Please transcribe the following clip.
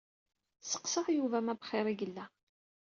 Sseqsaɣ Yuba ma bxir i yella.